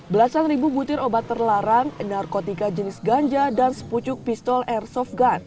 belasan ribu butir obat terlarang narkotika jenis ganja dan sepucuk pistol airsoft gun